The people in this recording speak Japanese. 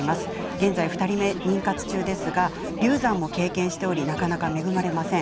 現在２人目の妊活中ですが流産を経験しておりなかなか恵まれません。